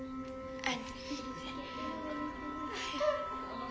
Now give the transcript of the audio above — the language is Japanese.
あっ！